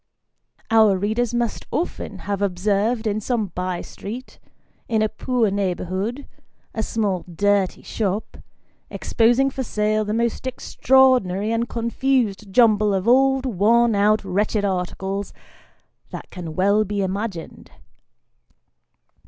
Our readers must often have observed in some by street, in a poor neighbourhood, a small dirty shop, exposing for sale the most extraordinary and confused jumble of old, worn out, wretched articles, that can well be imagined.